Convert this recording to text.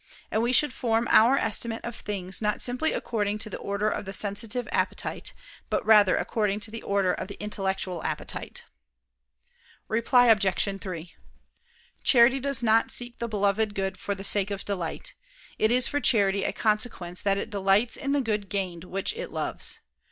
And we should form our estimate of things not simply according to the order of the sensitive appetite, but rather according to the order of the intellectual appetite. Reply Obj. 3: Charity does not seek the beloved good for the sake of delight: it is for charity a consequence that it delights in the good gained which it loves.